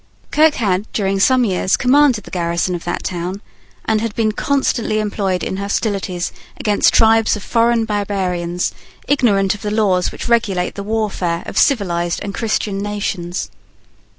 Kirke had during some years commanded the garrison of that town, and had been constantly employed in hostilities against tribes of foreign barbarians, ignorant of the laws which regulate the warfare of civilized and Christian nations.